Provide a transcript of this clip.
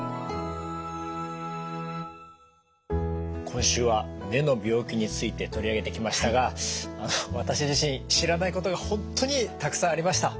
今週は目の病気について取り上げてきましたが私自身知らないことが本当にたくさんありました。